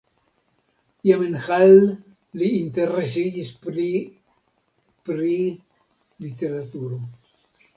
Jam en Halle li interesiĝis pli pri literaturo.